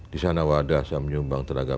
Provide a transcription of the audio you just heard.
di sana wadah saya menyumbang tenaga